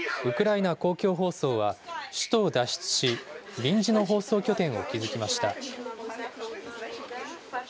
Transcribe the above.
ウクライナ公共放送は首都を脱出し臨時の放送拠点を築きました。